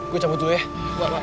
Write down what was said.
gue cabut dulu ya